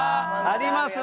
ありますね。